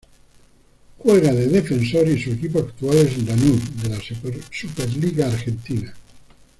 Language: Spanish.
Juega de defensor y su equipo actual es Lanús, de la Superliga Argentina.